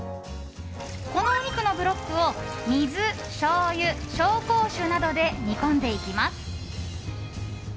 このお肉のブロックを水、しょうゆ、紹興酒などで煮込んでいきます。